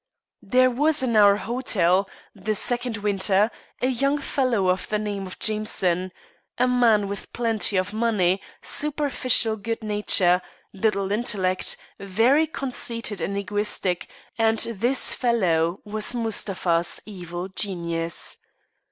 There was in our hotel, the second winter, a young fellow of the name of Jameson, a man with plenty of money, superficial good nature, little intellect, very conceited and egotistic, and this fellow was Mustapha's evil genius.